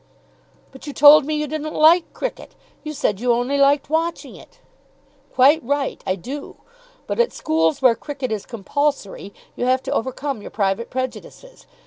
"But you told me you didn't like cricket. You said you only liked watching it." "Quite right. I do. But at schools where cricket is compulsory you have to overcome your private prejudices.